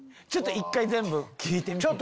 一回全部聞いてみていい？